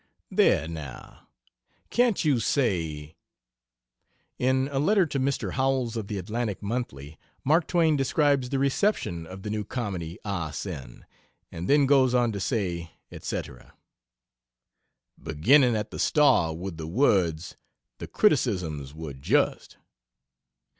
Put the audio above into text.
There, now, Can't you say "In a letter to Mr. Howells of the Atlantic Monthly, Mark Twain describes the reception of the new comedy 'Ali Sin,' and then goes on to say:" etc. Beginning at the star with the words, "The criticisms were just."